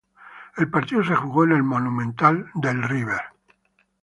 El partido se jugó en el Monumental de River.